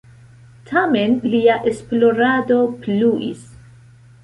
Tamen lia esplorado pluis.